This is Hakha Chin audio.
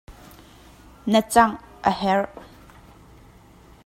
Na cangh a herh.